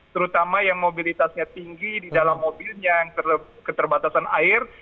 terutama yang mobilitasnya tinggi di dalam mobilnya yang keterbatasan air